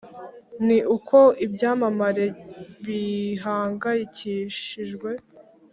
ni uko ibyamamare bihangayikishijwe